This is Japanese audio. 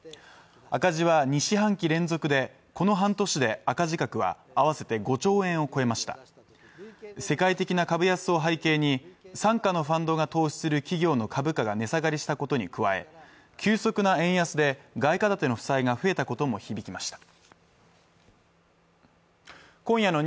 赤字は２四半期連続でこの半年で赤字額は合わせて５兆円を超えました世界的な株安を背景に傘下のファンドが投資する企業の株価が値下がりしたことに加え急速な円安で外貨建ての負債が増えたことも響きました